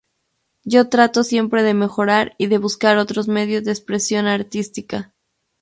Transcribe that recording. Yo trato siempre de mejorar y de buscar otros medios de expresión artística.